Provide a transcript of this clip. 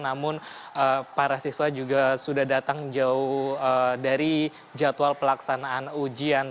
namun para siswa juga sudah datang jauh dari jadwal pelaksanaan ujian